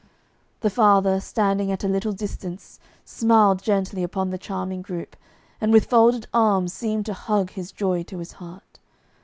The father standing at a little distance smiled gently upon the charming group, and with folded arms seemed to hug his joy to his heart.